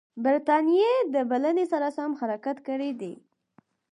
برټانیې د بلنې سره سم حرکت کړی دی.